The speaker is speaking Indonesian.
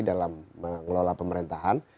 dalam mengelola pemerintahan